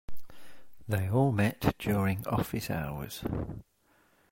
They all met during office hours.